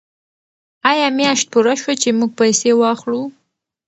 آیا میاشت پوره شوه چې موږ پیسې واخلو؟